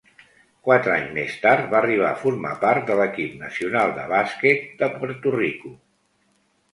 Quatre anys més tard va arribar a formar part de l'equip nacional de bàsquet de Puerto Rico.